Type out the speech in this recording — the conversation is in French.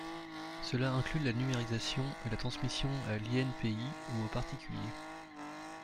Cela inclut la numérisation et la transmission à l’INPI ou aux particuliers.